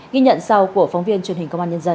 ghi nhận sau của phóng viên truyền hình công an nhân dân